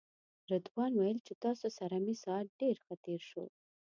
رضوان ویل چې تاسو سره مې ساعت ډېر ښه تېر شو.